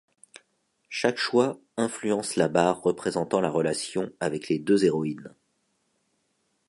Chaque choix influence la barre représentant la relation avec les deux héroïnes.